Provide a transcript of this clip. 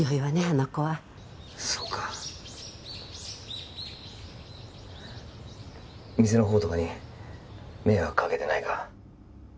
あの子はそうか店のほうとかに☎迷惑かけてないか？